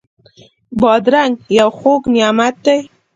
بادرنګ یو خوږ نعمت دی.